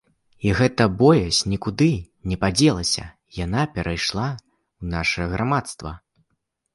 І гэтая боязь нікуды не падзелася, яна перайшла ў нашае грамадства.